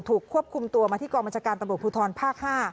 ถูกควบคุมตัวมาที่กองบัญชาการตำรวจภูทรภาค๕